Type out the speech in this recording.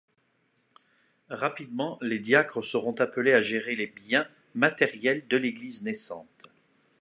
Rapidement, les diacres seront appelés à gérer les biens matériels de l'Église naissante.